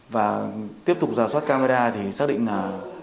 và tiếp tục giả soát camera thì xác định là